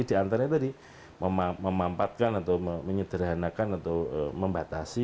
di antaranya tadi memampatkan atau menyederhanakan atau membatasi